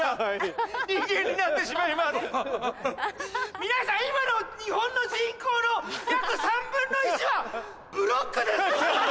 皆さん今の日本の人口の約３分の１はブロックです！